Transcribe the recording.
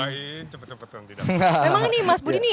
memang ini mas budi ini